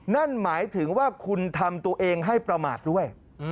นั่นหมายถึงว่าคุณทำตัวเองให้ประมาทด้วย